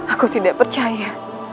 aku tidak percaya